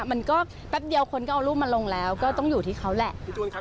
มันก็แป๊บเดียวคนก็เอารูปมาลงแล้วก็ต้องอยู่ที่เขาแหละ